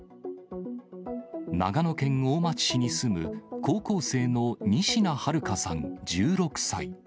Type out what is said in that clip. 長野県大町市に住む、高校生の仁科日花さん１６歳。